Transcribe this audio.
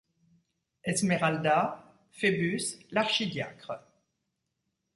Esmeralda, Phébus, l’archidiacre.